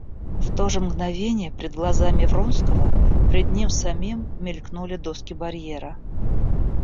В то же мгновение пред глазами Вронского, пред ним самим, мелькнули доски барьера.